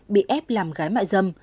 bị ép làm gái mại dâm